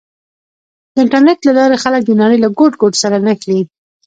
د انټرنېټ له لارې خلک د نړۍ له ګوټ ګوټ سره نښلي.